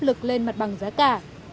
tăng lên mặt bằng giá cả